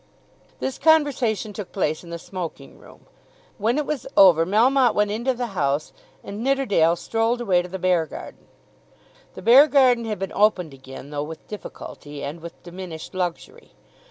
This conversation took place in the smoking room. When it was over Melmotte went into the House, and Nidderdale strolled away to the Beargarden. The Beargarden had been opened again though with difficulty, and with diminished luxury.